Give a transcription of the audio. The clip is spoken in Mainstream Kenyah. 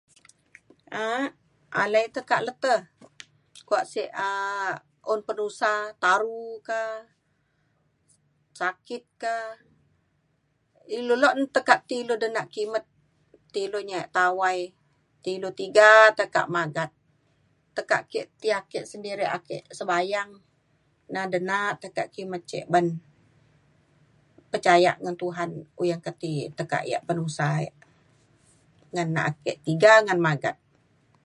a’ak alai tekak le te kuak sek um un pet usa taru ka sakit ka ilu le tekak ti ilu denak kimet ti ilu nya’e tawai ti ilu tiga tekak magat tekak ke ti ake sendiri ake sebayang na denak tekak kimet ce ban percaya ngan Tuhan uyan ke ti tekak yak penusa yak ngenaat ke tiga ngan magat